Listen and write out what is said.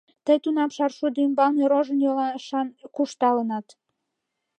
— Тый тунам шаршудо ӱмбалне рожын йолашан куржталынат.